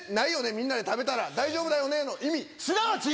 みんなで食べたら大丈夫だよねの意味！